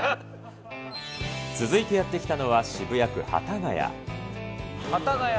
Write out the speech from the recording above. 続いてやって来たのは渋谷区幡ヶ谷。